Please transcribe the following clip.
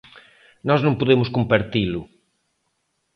Nós non podemos compartilo.